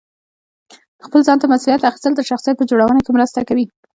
خپل ځان ته مسؤلیت اخیستل د شخصیت په جوړونه کې مرسته کوي.